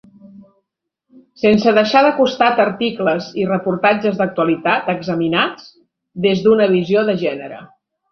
Sense deixar de costat articles i reportatges d'actualitat examinats des d'una visió de gènere.